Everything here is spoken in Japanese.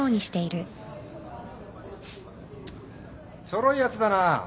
ちょろいやつだな。